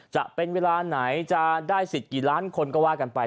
จะเป็นเวลาไหนจะได้สิทธิ์กี่ล้านคนก็ว่ากันไป